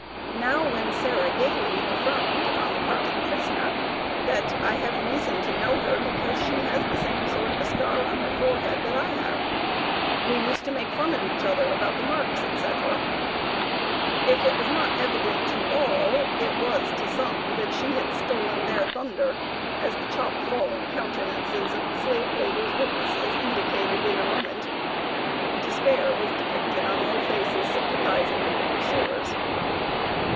Now, when Sarah Gayly affirmed (on the part of the prisoner) that "I have reason to know her because she has the same sort of a scar on her forehead that I have, we used to make fun of each other about the marks," etc., if it was not evident to all, it was to some, that she had "stolen their thunder," as the "chop fallen" countenances of the slave holder's witnesses indicated in a moment. Despair was depicted on all faces sympathizing with the pursuers.